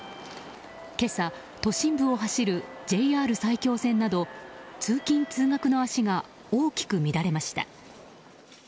今朝、都心部を走るＪＲ埼京線など通勤・通学の足が大きく乱れました。